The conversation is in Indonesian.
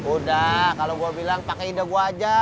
udah kalo gua bilang pake ide gua aja